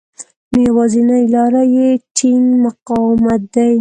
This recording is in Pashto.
نو يوازېنۍ لاره يې ټينګ مقاومت دی.